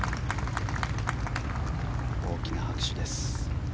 大きな拍手です。